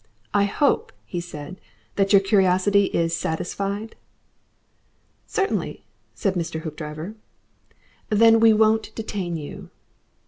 "I hope," he said, "that your curiosity is satisfied?" "Certainly," said Mr. Hoopdriver. "Then we won't detain you."